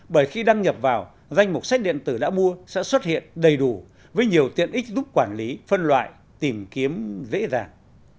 bởi khi đăng nhập vào danh mục sách điện tử đã mua sẽ xuất hiện đầy đủ với nhiều tiện ích giúp quản lý phân loại tìm kiếm dễ dàng